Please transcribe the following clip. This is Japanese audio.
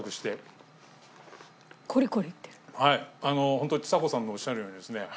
ホントちさ子さんのおっしゃるようにですねへえ。